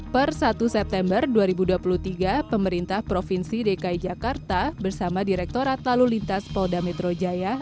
per satu september dua ribu dua puluh tiga pemerintah provinsi dki jakarta bersama direkturat lalu lintas polda metro jaya